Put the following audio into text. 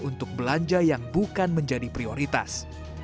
untuk belanja yang bukan menjadi prioritas